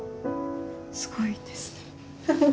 すごいですね。